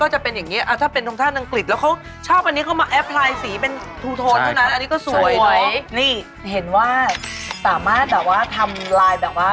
ธงชาติอเมริกาธงชาติอังกฤษจะมาแอปไลน์สีเป็นทูโทนเท่านั้นอันนี้ก็สวยเนอะนี่เห็นว่าสามารถแบบว่าทำลายแบบว่า